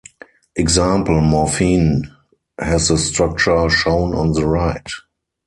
Example: Morphine has the structure shown on the right.